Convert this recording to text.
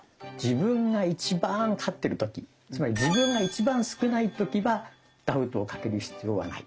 自分が一番勝ってる時つまり自分が一番少ない時はダウトをかける必要はない。